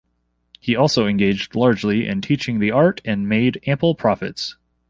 He also engaged largely in teaching the art and made ample profits.